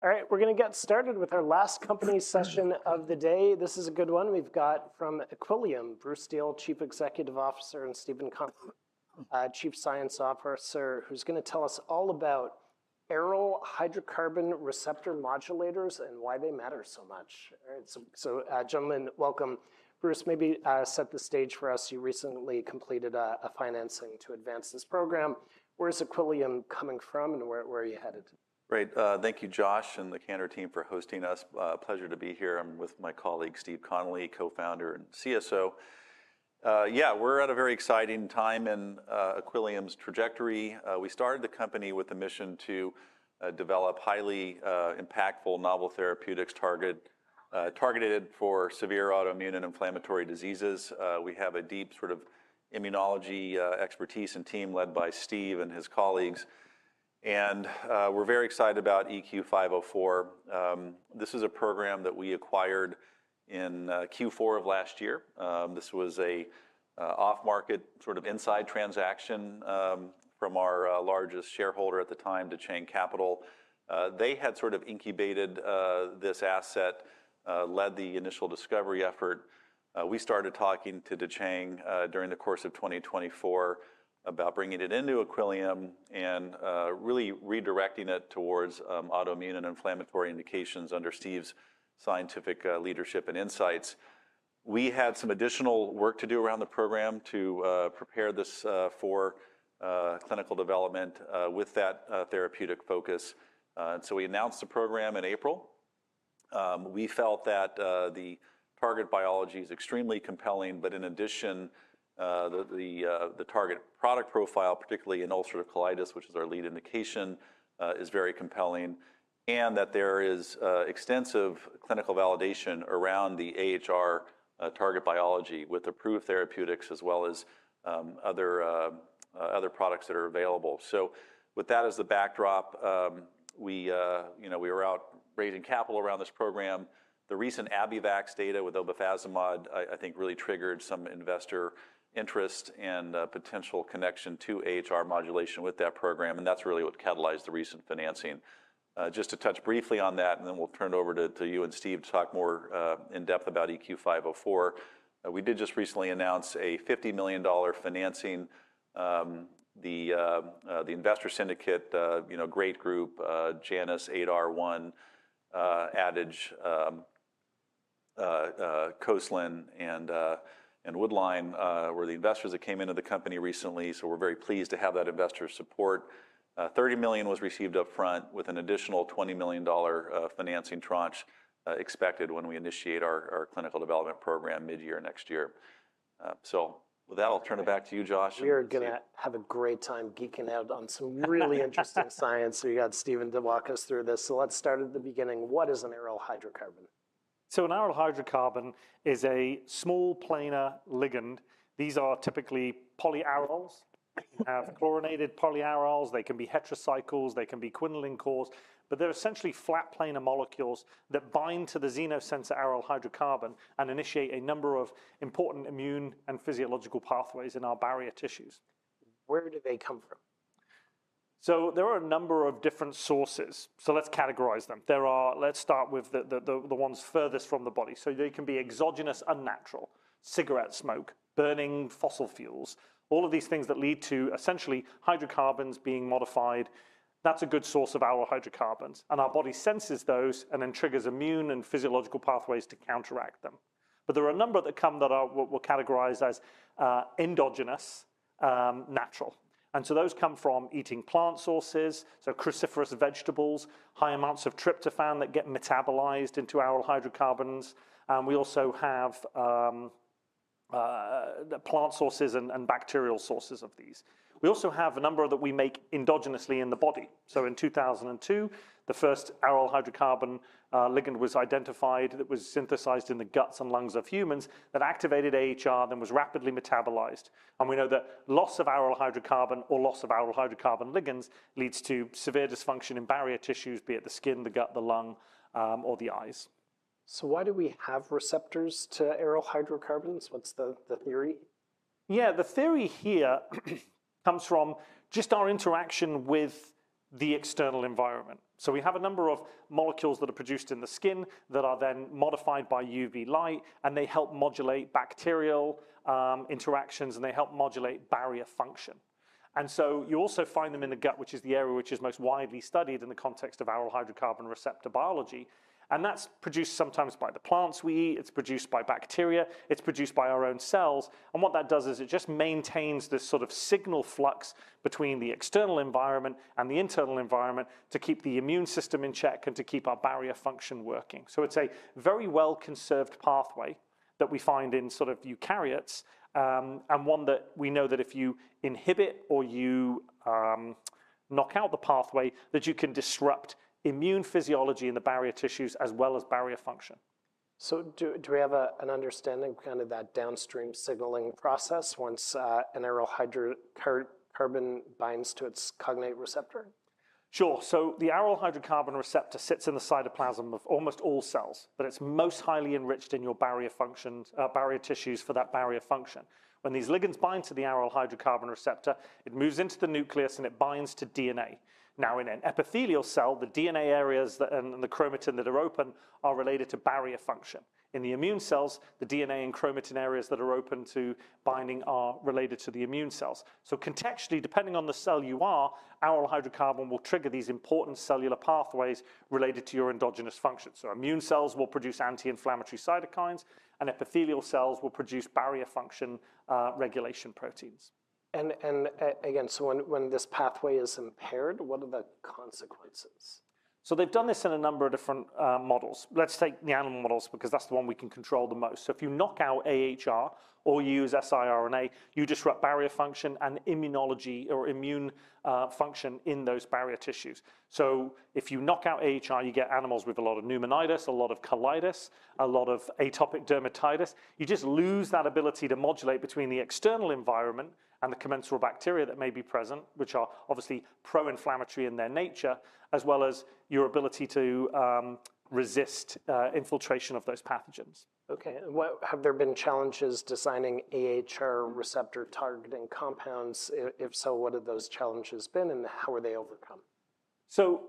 ... All right, we're gonna get started with our last company session of the day. This is a good one. We've got from Equillium, Bruce Steel, Chief Executive Officer, and Stephen Connelly, Chief Scientific Officer, who's gonna tell us all about aryl hydrocarbon receptor modulators and why they matter so much. All right, gentlemen, welcome. Bruce, maybe set the stage for us. You recently completed a financing to advance this program. Where is Equillium coming from, and where are you headed? Great. Thank you, Josh, and the Cantor team for hosting us. Pleasure to be here. I'm with my colleague Stephen Connelly, co-founder and CSO. Yeah, we're at a very exciting time in Equillium's trajectory. We started the company with a mission to develop highly impactful novel therapeutics targeted for severe autoimmune and inflammatory diseases. We have a deep sort of immunology expertise and team led by Steve and his colleagues, and we're very excited about EQ504. This is a program that we acquired in Q4 of last year. This was a off-market sort of inside transaction from our largest shareholder at the time, Decheng Capital. They had sort of incubated this asset, led the initial discovery effort. We started talking to Decheng during the course of 2024 about bringing it into Equillium and really redirecting it towards autoimmune and inflammatory indications under Steve's scientific leadership and insights. We had some additional work to do around the program to prepare this for clinical development with that therapeutic focus, and so we announced the program in April. We felt that the target biology is extremely compelling, but in addition, the target product profile, particularly in ulcerative colitis, which is our lead indication, is very compelling, and that there is extensive clinical validation around the AhR target biology with approved therapeutics as well as other products that are available. So with that as the backdrop, you know, we were out raising capital around this program. The recent Abivax data with obefazimod, I think really triggered some investor interest and a potential connection to AhR modulation with that program, and that's really what catalyzed the recent financing. Just to touch briefly on that, and then we'll turn it over to you and Steve to talk more in depth about EQ504. We did just recently announce a $50 million financing. The investor syndicate, you know, great group, Janus, Adar1, Adage, Coastline, and Woodline were the investors that came into the company recently, so we're very pleased to have that investor support. $30 million was received upfront, with an additional $20 million financing tranche expected when we initiate our, our clinical development program mid-year next year. So with that, I'll turn it back to you, Josh. We're gonna have a great time geeking out on really interesting science. So we got Stephen to walk us through this. So let's start at the beginning: What is an aryl hydrocarbon? An aryl hydrocarbon is a small, planar ligand. These are typically polyaryls. You have chlorinated polyaryls. They can be heterocycles, they can be quinoline cores, but they're essentially flat planar molecules that bind to the xenosensor aryl hydrocarbon and initiate a number of important immune and physiological pathways in our barrier tissues. Where do they come from? So there are a number of different sources, so let's categorize them. There are. Let's start with the ones furthest from the body. So they can be exogenous, unnatural, cigarette smoke, burning fossil fuels, all of these things that lead to essentially hydrocarbons being modified. That's a good source of aryl hydrocarbons, and our body senses those and then triggers immune and physiological pathways to counteract them. But there are a number that are, what we'll categorize as, endogenous, natural. And so those come from eating plant sources, so cruciferous vegetables, high amounts of tryptophan that get metabolized into aryl hydrocarbons, and we also have plant sources and bacterial sources of these. We also have a number that we make endogenously in the body. In 2002, the first aryl hydrocarbon ligand was identified that was synthesized in the guts and lungs of humans, that activated AhR, then was rapidly metabolized. We know that loss of aryl hydrocarbon or loss of aryl hydrocarbon ligands leads to severe dysfunction in barrier tissues, be it the skin, the gut, the lung, or the eyes. Why do we have receptors to aryl hydrocarbons? What's the theory? Yeah, the theory here comes from just our interaction with the external environment. So we have a number of molecules that are produced in the skin that are then modified by UV light, and they help modulate bacterial interactions, and they help modulate barrier function. And so you also find them in the gut, which is the area which is most widely studied in the context of aryl hydrocarbon receptor biology, and that's produced sometimes by the plants we eat, it's produced by bacteria, it's produced by our own cells. And what that does is it just maintains this sort of signal flux between the external environment and the internal environment to keep the immune system in check and to keep our barrier function working. It's a very well-conserved pathway that we find in sort of eukaryotes, and one that we know that if you inhibit or you knock out the pathway, that you can disrupt immune physiology in the barrier tissues as well as barrier function. Do we have an understanding of kind of that downstream signaling process once an aryl hydrocarbon binds to its cognate receptor?... Sure. So the aryl hydrocarbon receptor sits in the cytoplasm of almost all cells, but it's most highly enriched in your barrier functions, barrier tissues for that barrier function. When these ligands bind to the aryl hydrocarbon receptor, it moves into the nucleus, and it binds to DNA. Now, in an epithelial cell, the DNA areas that, and the chromatin that are open are related to barrier function. In the immune cells, the DNA and chromatin areas that are open to binding are related to the immune cells. So contextually, depending on the cell you are, aryl hydrocarbon will trigger these important cellular pathways related to your endogenous function. So immune cells will produce anti-inflammatory cytokines, and epithelial cells will produce barrier function regulation proteins. Again, so when this pathway is impaired, what are the consequences? They've done this in a number of different models. Let's take the animal models, because that's the one we can control the most. If you knock out AhR or you use siRNA, you disrupt barrier function and immunology or immune function in those barrier tissues. If you knock out AhR, you get animals with a lot of pneumonitis, a lot of colitis, a lot of atopic dermatitis. You just lose that ability to modulate between the external environment and the commensal bacteria that may be present, which are obviously pro-inflammatory in their nature, as well as your ability to resist infiltration of those pathogens. Okay, and what... Have there been challenges designing AhR receptor-targeting compounds? If so, what have those challenges been, and how were they overcome? So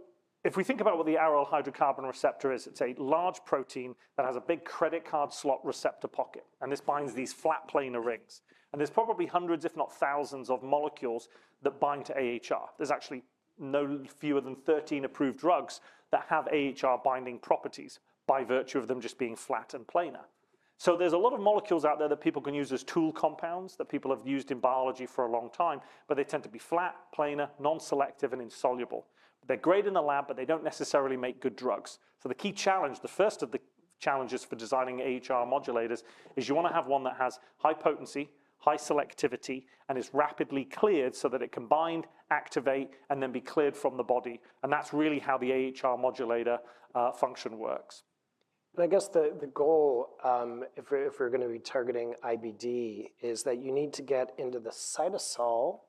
if we think about what the aryl hydrocarbon receptor is, it's a large protein that has a big credit card slot receptor pocket, and this binds these flat planar rings, and there's probably hundreds, if not thousands, of molecules that bind to AhR. There's actually no fewer than 13 approved drugs that have AhR binding properties by virtue of them just being flat and planar. So there's a lot of molecules out there that people can use as tool compounds, that people have used in biology for a long time, but they tend to be flat, planar, non-selective, and insoluble. They're great in the lab, but they don't necessarily make good drugs. So the key challenge, the first of the challenges for designing AhR modulators, is you wanna have one that has high potency, high selectivity, and is rapidly cleared so that it can bind, activate, and then be cleared from the body, and that's really how the AhR modulator function works. And I guess the goal, if we're gonna be targeting IBD, is that you need to get into the cytosol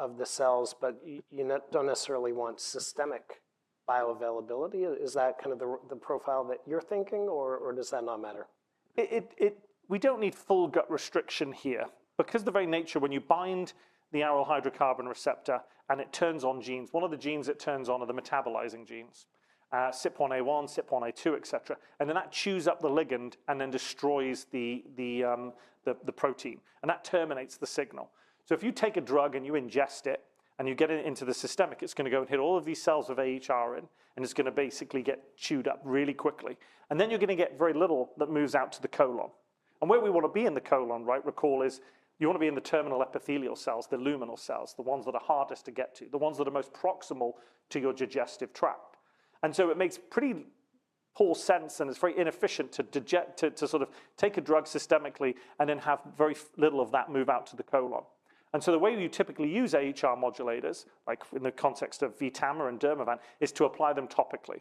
of the cells, but you don't necessarily want systemic bioavailability. Is that kind of the profile that you're thinking, or does that not matter? We don't need full gut restriction here. Because the very nature, when you bind the aryl hydrocarbon receptor, and it turns on genes, one of the genes it turns on are the metabolizing genes, CYP1A1, CYP1A2, et cetera, and then that chews up the ligand and then destroys the protein, and that terminates the signal. So if you take a drug and you ingest it, and you get it into the systemic, it's gonna go and hit all of these cells with AhR in, and it's gonna basically get chewed up really quickly. And then you're gonna get very little that moves out to the colon. Where we wanna be in the colon, right, recall, is you wanna be in the terminal epithelial cells, the luminal cells, the ones that are hardest to get to, the ones that are most proximal to your digestive tract. So it makes pretty poor sense, and it's very inefficient to take a drug systemically and then have very little of that move out to the colon. So the way you typically use AhR modulators, like in the context of Vtama and Dermavant, is to apply them topically.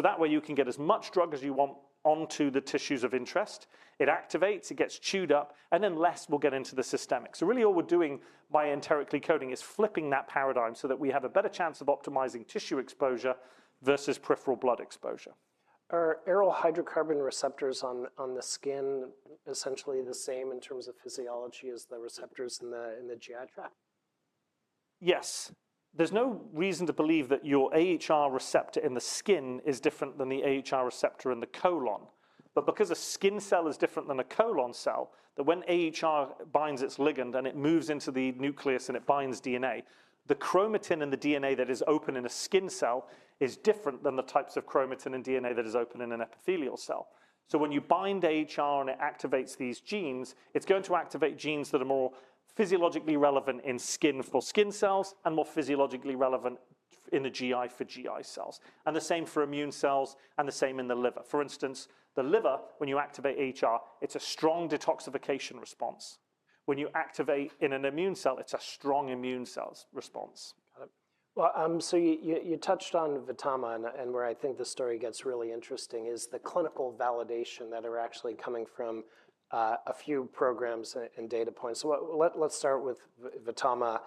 That way, you can get as much drug as you want onto the tissues of interest. It activates, it gets chewed up, and then less will get into the systemic. So really all we're doing by enterically coating is flipping that paradigm so that we have a better chance of optimizing tissue exposure versus peripheral blood exposure. Are aryl hydrocarbon receptors on the skin essentially the same in terms of physiology as the receptors in the GI tract? Yes. There's no reason to believe that your AhR receptor in the skin is different than the AhR receptor in the colon. But because a skin cell is different than a colon cell, that when AhR binds its ligand, and it moves into the nucleus, and it binds DNA, the chromatin in the DNA that is open in a skin cell is different than the types of chromatin in DNA that is open in an epithelial cell. So when you bind AhR, and it activates these genes, it's going to activate genes that are more physiologically relevant in skin for skin cells and more physiologically relevant in the GI for GI cells, and the same for immune cells and the same in the liver. For instance, the liver, when you activate AhR, it's a strong detoxification response. When you activate in an immune cell, it's a strong immune cells response. Got it. Well, so you touched on Vtama, and where I think the story gets really interesting is the clinical validation that are actually coming from a few programs and data points. Let's start with Vtama.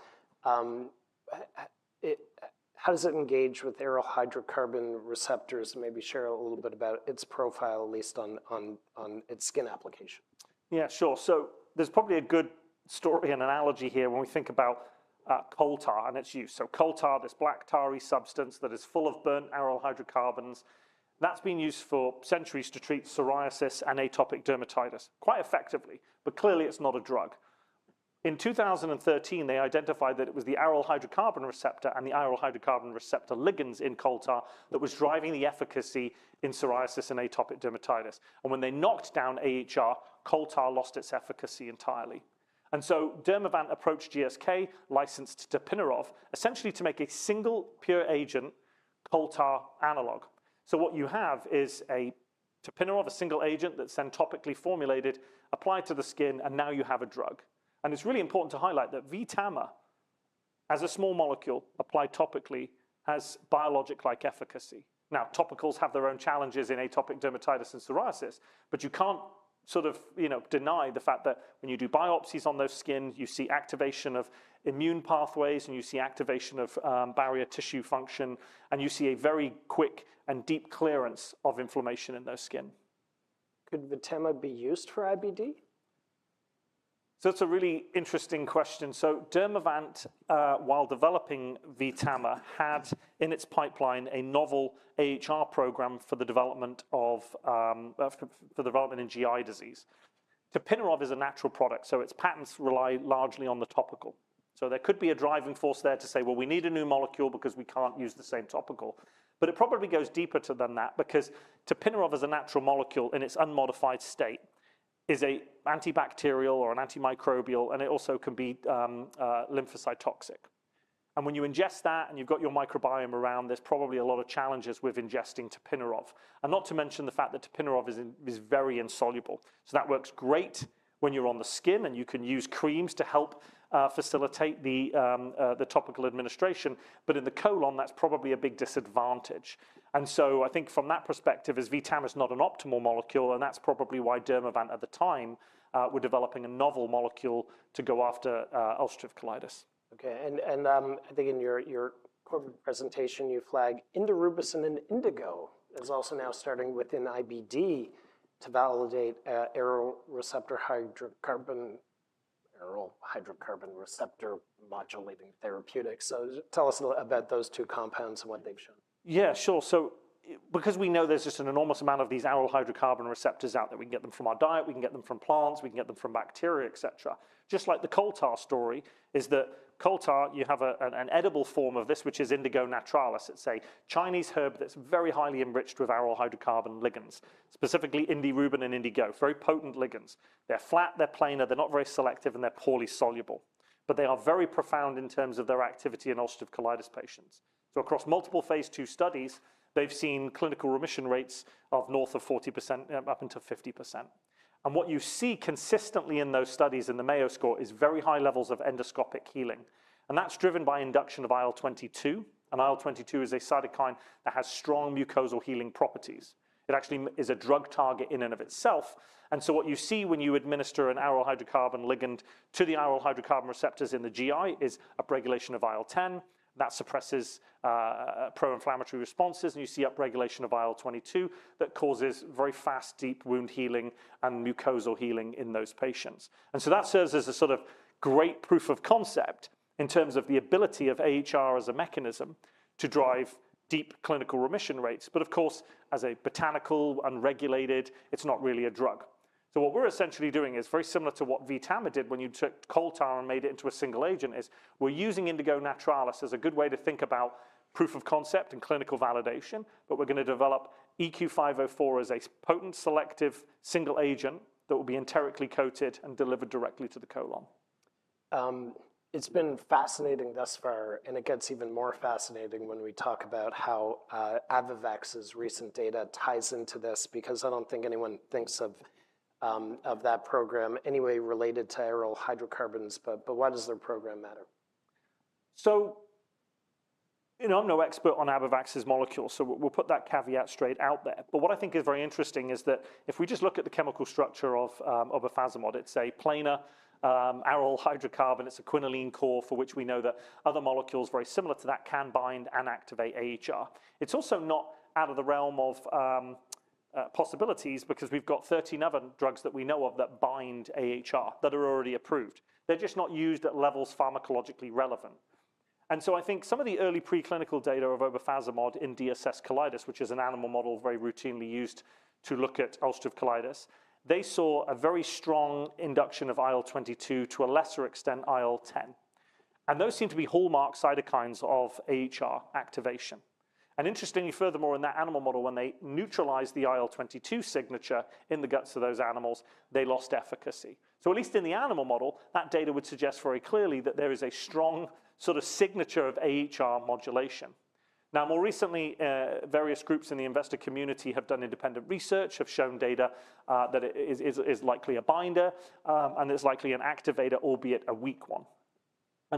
How does it engage with aryl hydrocarbon receptors? Maybe share a little bit about its profile, at least on its skin application. Yeah, sure. So there's probably a good story and analogy here when we think about coal tar and its use. So coal tar, this black tarry substance that is full of burnt aryl hydrocarbons, that's been used for centuries to treat psoriasis and atopic dermatitis quite effectively, but clearly it's not a drug. In 2013, they identified that it was the aryl hydrocarbon receptor and the aryl hydrocarbon receptor ligands in coal tar that was driving the efficacy in psoriasis and atopic dermatitis, and when they knocked down AhR, coal tar lost its efficacy entirely. Dermavant approached GSK, licensed tapinarof, essentially to make a single pure agent, coal tar analog. What you have is a tapinarof, a single agent that's then topically formulated, applied to the skin, and now you have a drug. It's really important to highlight that Vtama, as a small molecule applied topically, has biologic-like efficacy. Now, topicals have their own challenges in atopic dermatitis and psoriasis, but you can't sort of, you know, deny the fact that when you do biopsies on those skin, you see activation of immune pathways, and you see activation of barrier tissue function, and you see a very quick and deep clearance of inflammation in those skin. Could Vtama be used for IBD? That's a really interesting question. Dermavant, while developing Vtama, had in its pipeline a novel AhR program for the development in GI disease. Tapinarof is a natural product, so its patents rely largely on the topical. There could be a driving force there to say, "Well, we need a new molecule because we can't use the same topical." But it probably goes deeper than that, because tapinarof as a natural molecule in its unmodified state is an antibacterial or an antimicrobial, and it also can be lymphocyte toxic. When you ingest that, and you've got your microbiome around, there's probably a lot of challenges with ingesting tapinarof, and not to mention the fact that tapinarof is very insoluble. So that works great when you're on the skin, and you can use creams to help facilitate the topical administration, but in the colon, that's probably a big disadvantage, and so I think from that perspective, Vtama is not an optimal molecule, and that's probably why Dermavant at the time were developing a novel molecule to go after ulcerative colitis. Okay, and I think in your corporate presentation, you flag indirubin and indigo is also now starting within IBD to validate aryl hydrocarbon receptor modulating therapeutics. So tell us a little about those two compounds and what they've shown. Yeah, sure. So because we know there's just an enormous amount of these aryl hydrocarbon receptors out there, we can get them from our diet, we can get them from plants, we can get them from bacteria, et cetera. Just like the coal tar story, that coal tar, you have an edible form of this, which is indigo naturalis. It's a Chinese herb that's very highly enriched with aryl hydrocarbon ligands, specifically indirubin and indigo, very potent ligands. They're flat, they're planar, they're not very selective, and they're poorly soluble, but they are very profound in terms of their activity in ulcerative colitis patients. So across multiple Phase II studies, they've seen clinical remission rates of north of 40%, up until 50%. And what you see consistently in those studies in the Mayo Score is very high levels of endoscopic healing, and that's driven by induction of IL-22. And IL-22 is a cytokine that has strong mucosal healing properties. It actually is a drug target in and of itself. And so what you see when you administer an aryl hydrocarbon ligand to the aryl hydrocarbon receptors in the GI is upregulation of IL-10. That suppresses pro-inflammatory responses, and you see upregulation of IL-22 that causes very fast, deep wound healing and mucosal healing in those patients. And so that serves as a sort of great proof of concept in terms of the ability of AhR as a mechanism to drive deep clinical remission rates, but of course, as a botanical unregulated, it's not really a drug. So what we're essentially doing is very similar to what Vtama did when you took coal tar and made it into a single agent. We're using Indigo naturalis as a good way to think about proof of concept and clinical validation, but we're gonna develop EQ504 as a potent, selective single agent that will be enterically coated and delivered directly to the colon. It's been fascinating thus far, and it gets even more fascinating when we talk about how Abivax recent data ties into this, because I don't think anyone thinks of that program in any way related to aryl hydrocarbons, but why does their program matter? So, you know, I'm no expert on Abivax molecule, so we'll put that caveat straight out there. But what I think is very interesting is that if we just look at the chemical structure of obefazimod, it's a planar aryl hydrocarbon. It's a quinoline core, for which we know that other molecules very similar to that can bind and activate AhR. It's also not out of the realm of possibilities, because we've got 13 other drugs that we know of that bind AhR, that are already approved. They're just not used at levels pharmacologically relevant. And so I think some of the early preclinical data of obefazimod in DSS colitis, which is an animal model very routinely used to look at ulcerative colitis, they saw a very strong induction of IL-22, to a lesser extent, IL-10. Those seem to be hallmark cytokines of AhR activation. Interestingly, furthermore, in that animal model, when they neutralized the IL-22 signature in the guts of those animals, they lost efficacy. At least in the animal model, that data would suggest very clearly that there is a strong sort of signature of AhR modulation. Now, more recently, various groups in the investor community have done independent research, have shown data, that it is likely a binder, and is likely an activator, albeit a weak one.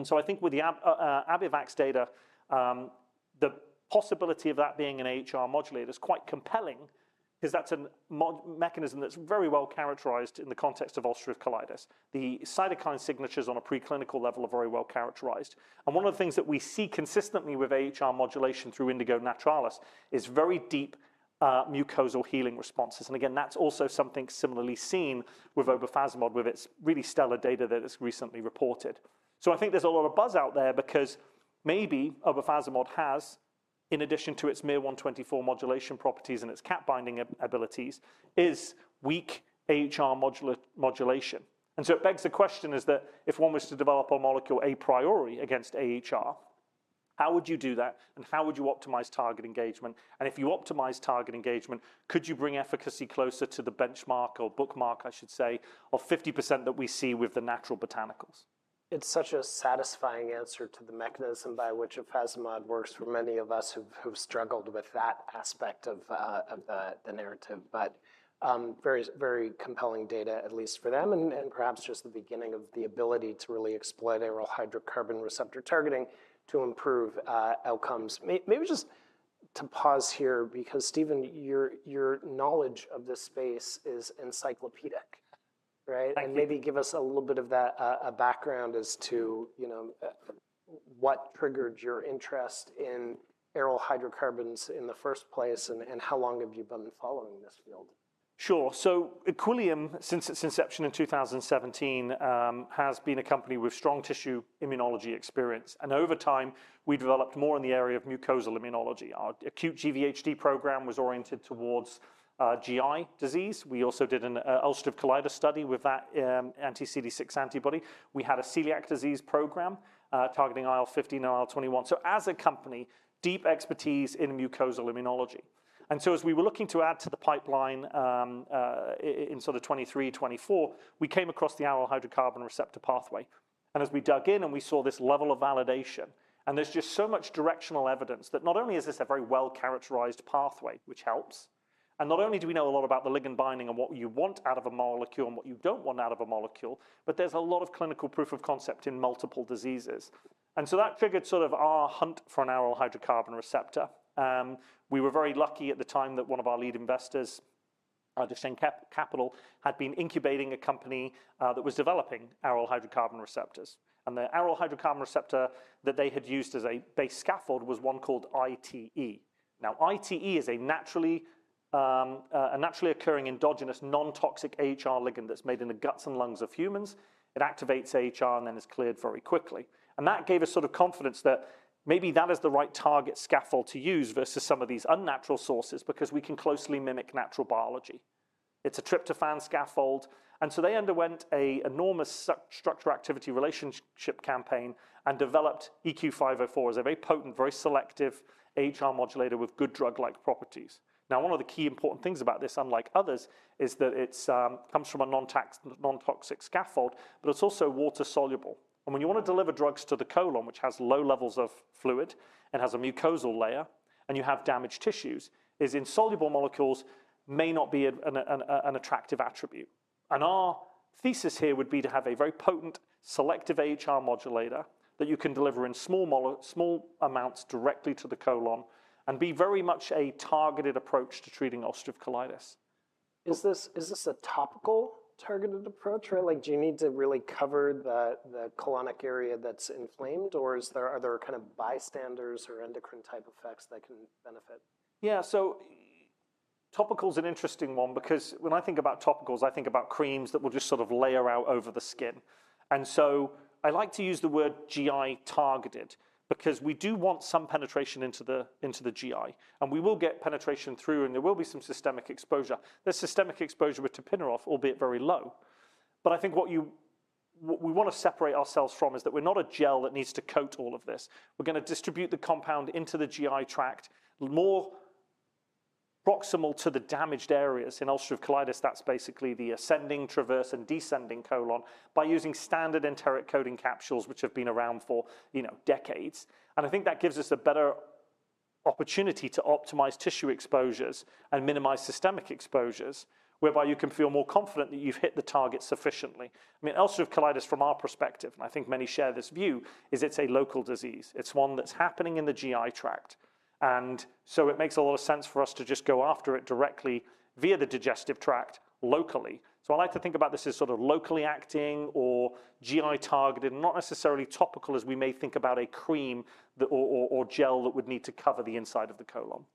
So I think with the Abivax's data, the possibility of that being an AhR modulator is quite compelling, because that's a mechanism that's very well characterized in the context of ulcerative colitis. The cytokine signatures on a preclinical level are very well characterized, and one of the things that we see consistently with AhR modulation through Indigo naturalis is very deep mucosal healing responses, and again, that's also something similarly seen with obefazimod, with its really stellar data that is recently reported, so I think there's a lot of buzz out there because maybe obefazimod has, in addition to its miR-124 modulation properties and its cap binding abilities, is weak AhR modulation, and so it begs the question is that, if one was to develop a molecule a priori against AhR, how would you do that, and how would you optimize target engagement, and if you optimize target engagement, could you bring efficacy closer to the benchmark or bookmark, I should say, of 50% that we see with the natural botanicals? It's such a satisfying answer to the mechanism by which obefazimod works for many of us who've struggled with that aspect of the narrative. But very, very compelling data, at least for them, and perhaps just the beginning of the ability to really exploit aryl hydrocarbon receptor targeting to improve outcomes. Maybe just to pause here, because Stephen, your knowledge of this space is encyclopedic, right? Thank you. Maybe give us a little bit of that, a background as to, you know, what triggered your interest in aryl hydrocarbon receptor in the first place, and how long have you been following this field? Sure. So Equillium, since its inception in 2017, has been a company with strong tissue immunology experience, and over time, we developed more in the area of mucosal immunology. Our acute GVHD program was oriented towards GI disease. We also did an ulcerative colitis study with that anti-CD6 antibody. We had a celiac disease program targeting IL-15 and IL-21. So as a company, deep expertise in mucosal immunology. And so as we were looking to add to the pipeline, in sort of 2023, 2024, we came across the aryl hydrocarbon receptor pathway. And as we dug in and we saw this level of validation, and there's just so much directional evidence that not only is this a very well-characterized pathway, which helps, and not only do we know a lot about the ligand binding and what you want out of a molecule and what you don't want out of a molecule, but there's a lot of clinical proof of concept in multiple diseases. And so that triggered sort of our hunt for an aryl hydrocarbon receptor. We were very lucky at the time that one of our lead investors, Decheng Capital, had been incubating a company that was developing aryl hydrocarbon receptors, and the aryl hydrocarbon receptor that they had used as a base scaffold was one called ITE. Now, ITE is a naturally occurring endogenous, non-toxic AhR ligand that's made in the guts and lungs of humans. It activates AhR and then is cleared very quickly. And that gave us sort of confidence that maybe that is the right target scaffold to use versus some of these unnatural sources because we can closely mimic natural biology. It's a tryptophan scaffold, and so they underwent an enormous structure-activity relationship campaign and developed EQ504 as a very potent, very selective AhR modulator with good drug-like properties. Now, one of the key important things about this, unlike others, is that it comes from a non-toxic scaffold, but it's also water-soluble. When you wanna deliver drugs to the colon, which has low levels of fluid and has a mucosal layer, and you have damaged tissues, insoluble molecules may not be an attractive attribute. Our thesis here would be to have a very potent, selective AhR modulator that you can deliver in small amounts directly to the colon and be very much a targeted approach to treating ulcerative colitis. Is this, is this a topical targeted approach? Or like, do you need to really cover the, the colonic area that's inflamed, or is there, are there kind of bystanders or endocrine-type effects that can benefit? Yeah, so topical's an interesting one because when I think about topicals, I think about creams that will just sort of layer out over the skin. And so I like to use the word GI-targeted because we do want some penetration into the, into the GI, and we will get penetration through, and there will be some systemic exposure. There's systemic exposure with tapinarof, albeit very low. But I think what you... what we wanna separate ourselves from is that we're not a gel that needs to coat all of this. We're gonna distribute the compound into the GI tract, more proximal to the damaged areas. In ulcerative colitis, that's basically the ascending, transverse, and descending colon, by using standard enteric-coating capsules, which have been around for, you know, decades. I think that gives us a better opportunity to optimize tissue exposures and minimize systemic exposures, whereby you can feel more confident that you've hit the target sufficiently. I mean, ulcerative colitis from our perspective, and I think many share this view, is. It's a local disease. It's one that's happening in the GI tract, and so it makes a lot of sense for us to just go after it directly via the digestive tract locally. I like to think about this as sort of locally acting or GI-targeted, not necessarily topical as we may think about a cream or gel that would need to cover the inside of the colon.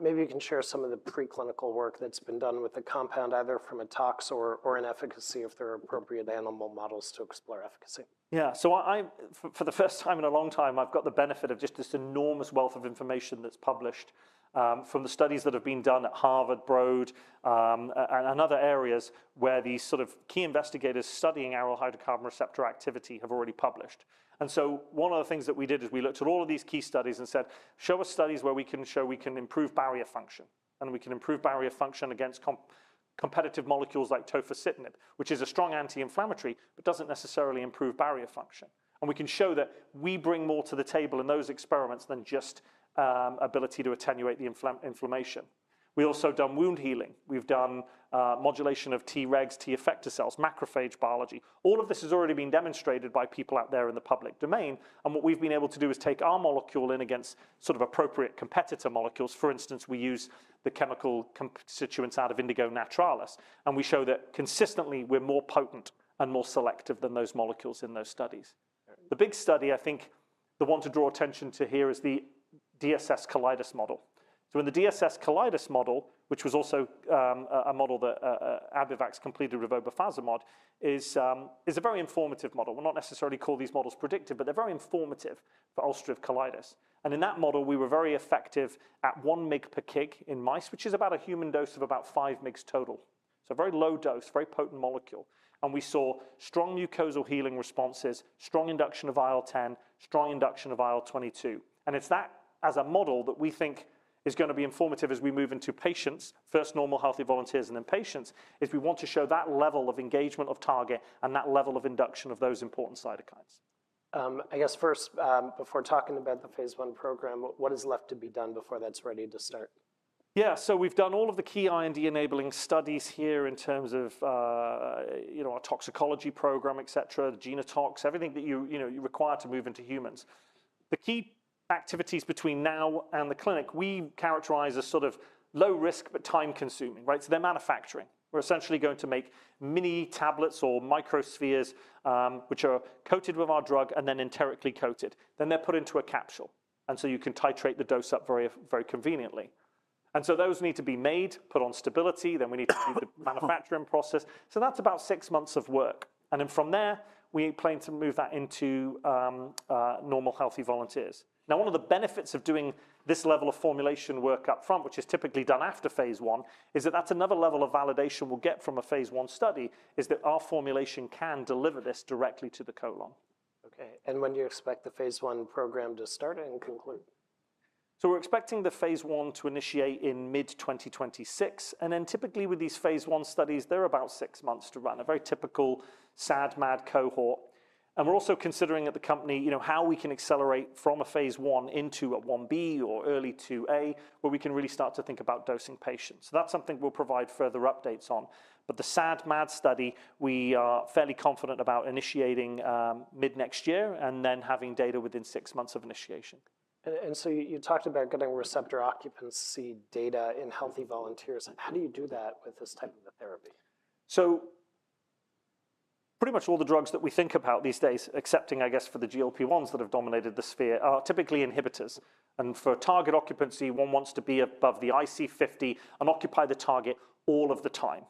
Maybe you can share some of the preclinical work that's been done with the compound, either from a tox or an efficacy, if there are appropriate animal models to explore efficacy. Yeah, so for the first time in a long time, I've got the benefit of just this enormous wealth of information that's published from the studies that have been done at Harvard Broad and other areas where these sort of key investigators studying aryl hydrocarbon receptor activity have already published. And so one of the things that we did is we looked at all of these key studies and said, "Show us studies where we can show we can improve barrier function," and we can improve barrier function against competitive molecules like tofacitinib, which is a strong anti-inflammatory, but doesn't necessarily improve barrier function. And we can show that we bring more to the table in those experiments than just ability to attenuate the inflammation. We've also done wound healing. We've done modulation of Tregs, T effector cells, macrophage biology. All of this has already been demonstrated by people out there in the public domain, and what we've been able to do is take our molecule in against sort of appropriate competitor molecules. For instance, we use the chemical constituents out of Indigo naturalis, and we show that consistently we're more potent and more selective than those molecules in those studies. Yeah. The big study, I think the one to draw attention to here, is the DSS colitis model. In the DSS colitis model, which was also a model that Abivax completed with obefazimod, is a very informative model. We'll not necessarily call these models predictive, but they're very informative for ulcerative colitis. In that model, we were very effective at one mg per kg in mice, which is about a human dose of about five mg total, so a very low dose, very potent molecule. We saw strong mucosal healing responses, strong induction of IL-10, strong induction of IL-22. It's that, as a model, that we think is gonna be informative as we move into patients, first normal healthy volunteers and then patients, if we want to show that level of engagement of target and that level of induction of those important cytokines. I guess first, before talking about the Phase I program, what is left to be done before that's ready to start?... Yeah, so we've done all of the key IND-enabling studies here in terms of, you know, our toxicology program, et cetera, the genotox, everything that you, you know, you require to move into humans. The key activities between now and the clinic, we characterize as sort of low risk, but time-consuming, right? So they're manufacturing. We're essentially going to make mini tablets or microspheres, which are coated with our drug and then enterically coated, then they're put into a capsule, and so you can titrate the dose up very, very conveniently. And so those need to be made, put on stability, then we need to do the manufacturing process. So that's about six months of work, and then from there, we plan to move that into normal healthy volunteers. Now, one of the benefits of doing this level of formulation work up front, which is typically done after Phase I, is that that's another level of validation we'll get from a Phase I study, is that our formulation can deliver this directly to the colon. Okay, and when do you expect the Phase I program to start and conclude? So we're expecting Phase I to initiate in mid 2026, and then typically with Phase I studies, they're about six months to run, a very typical SAD/MAD cohort. And we're also considering at the company, you know, how we can accelerate from Phase I into a 1b or early 2a, where we can really start to think about dosing patients. So that's something we'll provide further updates on. But the SAD/MAD study, we are fairly confident about initiating, mid-next year, and then having data within six months of initiation. You talked about getting receptor occupancy data in healthy volunteers. How do you do that with this type of a therapy? Pretty much all the drugs that we think about these days, excepting, I guess, for the GLP-1s that have dominated the sphere, are typically inhibitors. For target occupancy, one wants to be above the IC50 and occupy the target all of the time.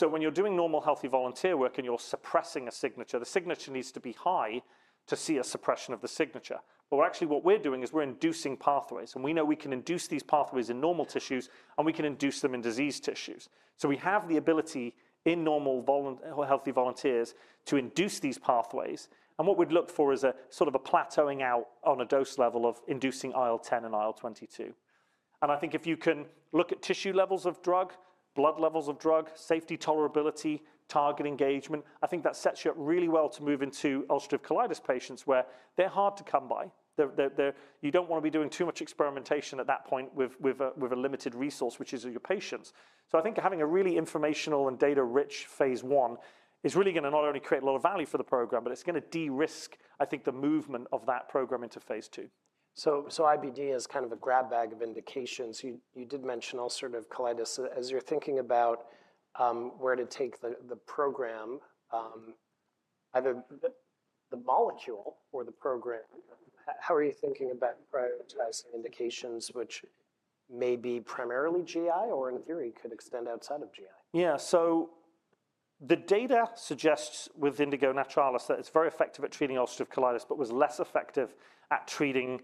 When you're doing normal, healthy volunteer work and you're suppressing a signature, the signature needs to be high to see a suppression of the signature. Actually, what we're doing is we're inducing pathways, and we know we can induce these pathways in normal tissues, and we can induce them in diseased tissues. We have the ability in healthy volunteers to induce these pathways, and what we'd look for is a sort of a plateauing out on a dose level of inducing IL-10 and IL-22. I think if you can look at tissue levels of drug, blood levels of drug, safety tolerability, target engagement, I think that sets you up really well to move into ulcerative colitis patients, where they're hard to come by. You don't wanna be doing too much experimentation at that point with a limited resource, which is your patients. I think having a really informational and Phase I is really gonna not only create a lot of value for the program, but it's gonna de-risk, I think, the movement of that program into Phase II. So, IBD is kind of a grab bag of indications. You did mention ulcerative colitis. As you're thinking about where to take the molecule or the program, how are you thinking about prioritizing indications which may be primarily GI or, in theory, could extend outside of GI? Yeah, so the data suggests with Indigo naturalis that it's very effective at treating ulcerative colitis, but was less effective at treating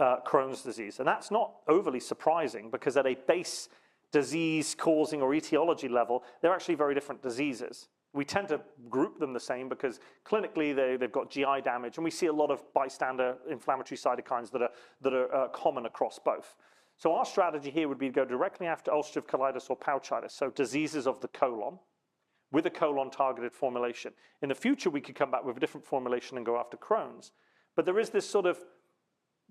Crohn's disease, and that's not overly surprising because at a base disease-causing or etiology level, they're actually very different diseases. We tend to group them the same because clinically they, they've got GI damage, and we see a lot of bystander inflammatory cytokines that are common across both, so our strategy here would be to go directly after ulcerative colitis or pouchitis, so diseases of the colon, with a colon-targeted formulation. In the future, we could come back with a different formulation and go after Crohn's. But there is this sort of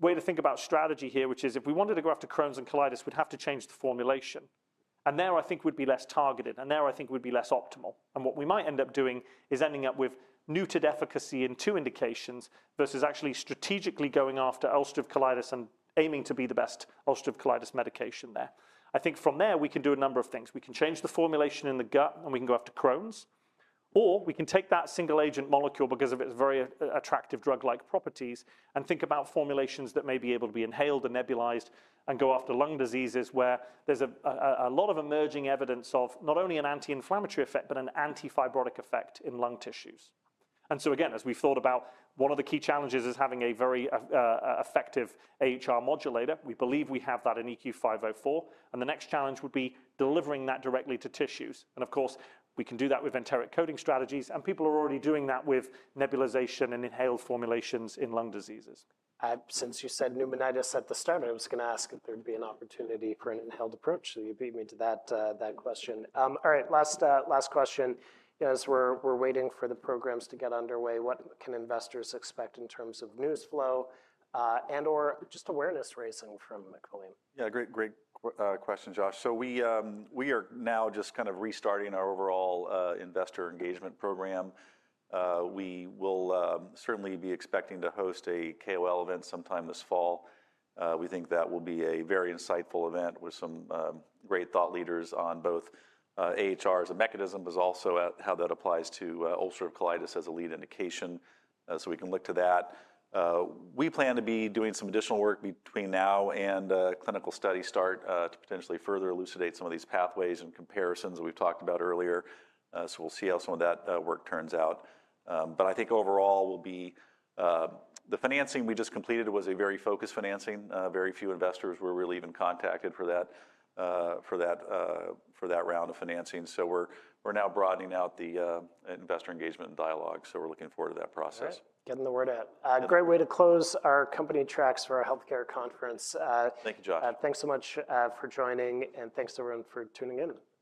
way to think about strategy here, which is if we wanted to go after Crohn's and colitis, we'd have to change the formulation, and there I think we'd be less targeted, and there I think we'd be less optimal. And what we might end up doing is ending up with neutered efficacy in two indications versus actually strategically going after ulcerative colitis and aiming to be the best ulcerative colitis medication there. I think from there, we can do a number of things. We can change the formulation in the gut, and we can go after Crohn's, or we can take that single agent molecule because of its very attractive drug-like properties, and think about formulations that may be able to be inhaled and nebulized and go after lung diseases, where there's a lot of emerging evidence of not only an anti-inflammatory effect, but an anti-fibrotic effect in lung tissues. And so again, as we've thought about, one of the key challenges is having a very effective AhR modulator. We believe we have that in EQ504, and the next challenge would be delivering that directly to tissues. And of course, we can do that with enteric coating strategies, and people are already doing that with nebulization and inhaled formulations in lung diseases. Since you said pneumonitis at the start, I was gonna ask if there'd be an opportunity for an inhaled approach, so you beat me to that question. All right, last question: As we're waiting for the programs to get underway, what can investors expect in terms of news flow and/or just awareness-raising from Equillium? Yeah, great, great, question, Josh. So we are now just kind of restarting our overall investor engagement program. We will certainly be expecting to host a KOL event sometime this fall. We think that will be a very insightful event with some great thought leaders on both AhR as a mechanism, but also how that applies to ulcerative colitis as a lead indication. So we can look to that. We plan to be doing some additional work between now and clinical study start to potentially further elucidate some of these pathways and comparisons we've talked about earlier. So we'll see how some of that work turns out. But I think overall we'll be... The financing we just completed was a very focused financing. Very few investors were really even contacted for that round of financing. So we're now broadening out the investor engagement and dialogue, so we're looking forward to that process. All right. Getting the word out. Yeah. Great way to close our company tracks for our healthcare conference. Thank you, Josh. Thanks so much for joining, and thanks, everyone, for tuning in. Thank you.